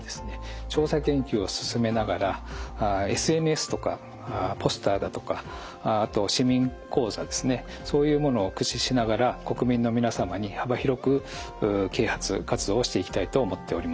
調査研究を進めながらＳＮＳとかポスターだとかあと市民講座ですねそういうものを駆使しながら国民の皆様に幅広く啓発活動をしていきたいと思っております。